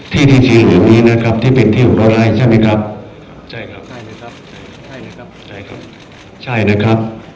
ที่สีเหลืองนี้นะครับที่เป็นที่๖๐๐ไร่ใช่มั้ยครับ